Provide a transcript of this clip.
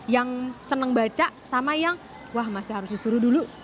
yang seneng baca sama yang wah masih harus disuruh dulu